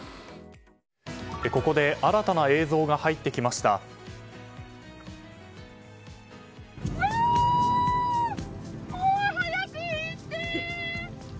ここで新たな映像が入ってきました。